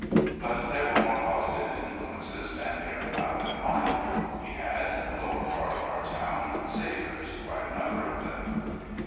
But there were more positive influences than mere cloud and light. We had, in the lower part of our town, sailors, quite a number of them.